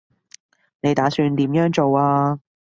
你打算點樣做啊